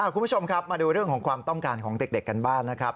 คุณผู้ชมครับมาดูเรื่องของความต้องการของเด็กกันบ้างนะครับ